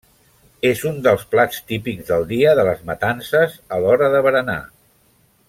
És un dels plats típics del dia de les matances a l'hora de berenar.